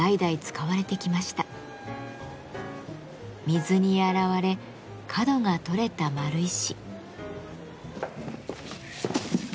水に洗われ角が取れた丸石。